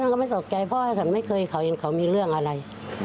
ฉันก็ไม่สกแก้เพราะฉันไม่เคยเขาเห็นเขามีเรื่องอะไร